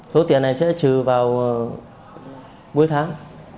số tiền này sẽ trừ vào mỗi tháng